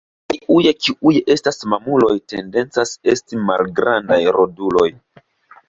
Tiuj kiuj estas mamuloj tendencas esti malgrandaj roduloj.